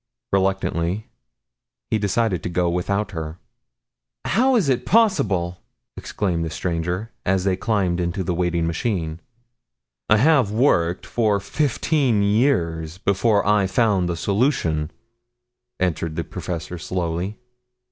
Reluctantly he decided to go without her. "How is it possible!" exclaimed the stranger, as they climbed into the waiting machine. "I have worked for fifteen years before I found the solution," answered the professor slowly.